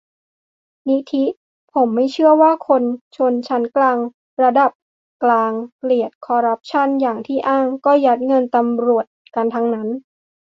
นิธิ : ผมไม่เชื่อว่าคนชั้นกลางระดับกลางเกลียดคอรัปชั่นอย่างที่อ้าง ก็ยัดเงินตำรวจกันทั้งนั้น